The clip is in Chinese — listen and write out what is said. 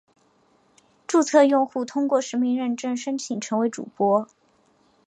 注册用户通过实名认证申请成为主播。